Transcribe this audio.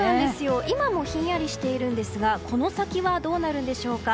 今もひんやりしているんですがこの先はどうなるんでしょうか。